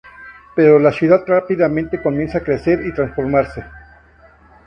Pero la ciudad rápidamente comienza a crecer y transformarse.